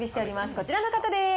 こちらの方です。